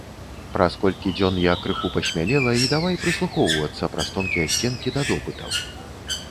Праз колькі дзён я крыху пасмялела і давай прыслухоўвацца праз тонкія сценкі да допытаў.